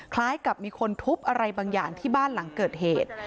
คล้ายกับมีคนทุบอะไรบางอย่างที่บ้านหลังเกิดเหตุ